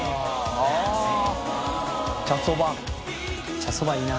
茶そばいいな。